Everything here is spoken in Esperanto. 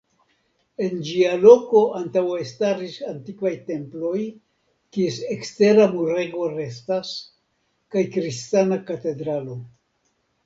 En ĝia loko antaŭe staris antikvaj temploj, kies ekstera murego restas, kaj kristana katedralo.